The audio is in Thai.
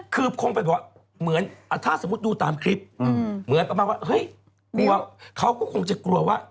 คือคงเป็นเหมือนถ้าสมมุติดูตามคลิปเหมือนกับว่าเฮ้ยเขาก็คงจะกลัวว่า